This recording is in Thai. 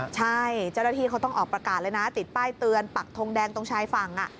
ใช่เจ้าหน้าที่เขาต้องออกประกาศเลยนะติดป้ายเตือนปักทงแดงตรงชายฝั่ง